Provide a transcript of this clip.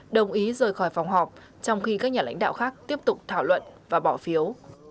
đồng ý rời khỏi phòng họp trong khi các nhà lãnh đạo khác tiếp tục thảo luận và bỏ phiếu